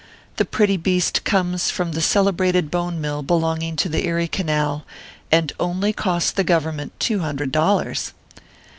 The pretty beast comes from the celebrated Bone Mill belonging to the Erie Canal, and only cost the Government two hundred dollars.